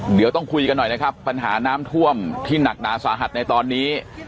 เดี๋ยวต้องคุยกันหน่อยนะครับปัญหาน้ำท่วมที่หนักหนาสาหัสในตอนนี้